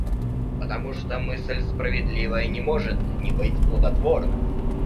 Потому что мысль справедливая не может не быть плодотворна.